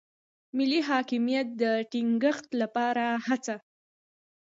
ملي حاکمیت د ټینګښت لپاره هڅه.